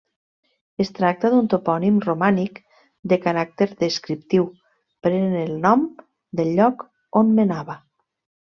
Es tracta d'un topònim romànic de caràcter descriptiu: pren el nom del lloc on menava.